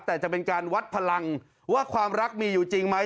แต่จะเป็นการวัดพลังว่าความรักมีอยู่จริงไหม